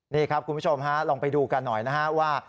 นี่ครับคุณผู้ชมฮะลองไปดูกันหน่อยนะฮะว่า